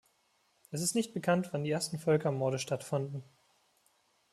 Es ist nicht bekannt, wann die ersten Völkermorde stattfanden.